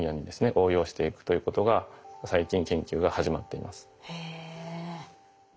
応用していくということが最近研究が始まっています。